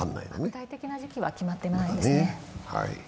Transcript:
具体的な時期は決まっていないですね。